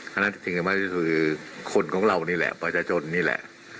เพราะฉะนั้นจริงหรือไม่จริงคือคนของเรานี่แหละประชาชนนี่แหละ